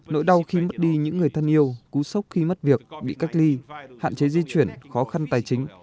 nỗi đau khi mất đi những người thân yêu cú sốc khi mất việc bị cách ly hạn chế di chuyển khó khăn tài chính